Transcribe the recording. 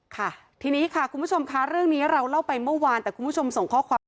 ค่ะทีนี้ค่ะคุณผู้ชมค่ะเรื่องนี้เราเล่าไปเมื่อวานแต่คุณผู้ชมส่งข้อความ